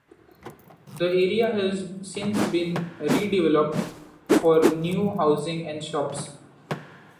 The area has since been redeveloped for new housing and shops.